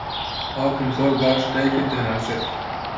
باوکم زۆر باش دایکت دەناسێت.